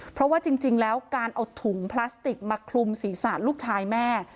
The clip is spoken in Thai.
เพราะว่าจริงแล้วการเอาถุงพลาสติกมาคลุมศีรษะลูกชายแม่